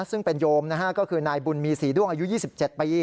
ซึ่งเป็นโยมก็คือนายบุญมีศรีด้วงอายุ๒๗ปี